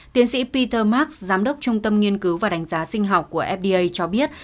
tiến sĩ peter max giám đốc trung tâm nghiên cứu và đánh giá sinh học của fda cho biết